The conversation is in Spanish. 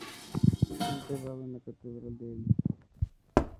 Fue enterrado en la catedral de Ely.